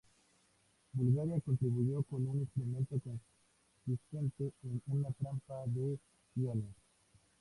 Bulgaria contribuyó con un instrumento consistente en una trampa de iones.